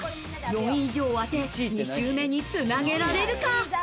４位以上を当て、２周目につなげられるか？